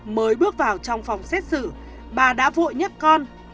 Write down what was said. mới bước vào trong phòng xét xử bà đã vội nhắc con